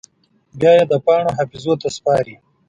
بیا یې د پاڼو حافظو ته سپاري